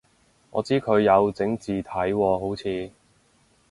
我知佢有整字體喎好似